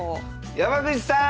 山口さん！